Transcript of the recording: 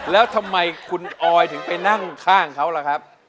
แล้วทำไมคุณออยถึงไปนั่งข้างเขาล่ะครับ